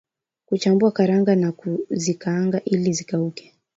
Chambua karanga na kuzikaanga ili zikauke